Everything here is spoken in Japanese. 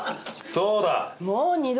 そうだ。